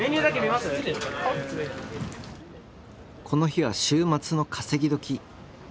この日は週末の稼ぎ時。